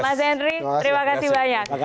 mas henry terima kasih banyak